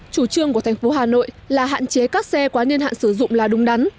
chủ trương của thành phố hà nội là hạn chế các xe quá niên hạn sử dụng là đúng đắn